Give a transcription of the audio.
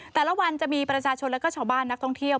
แต่ละวันจะมีประชาชนและก็ชาวบ้านนักท่องเที่ยว